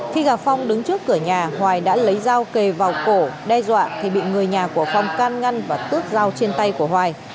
khi gặp phong đứng trước cửa nhà hoài đã lấy dao kề vào cổ đe dọa thì bị người nhà của phong can ngăn và tước dao trên tay của hoài